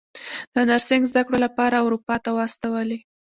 د نرسنګ زده کړو لپاره اروپا ته واستولې.